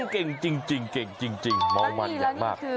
เก่งจริงเก่งจริงม้องมันใหญ่มาก